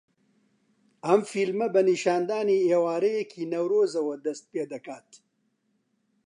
ئەم فیلمە بە نیشاندانی ئێوارەیەکی نەورۆزەوە دەست پێدەکات